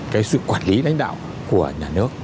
cái sự quản lý đánh đạo của nhà nước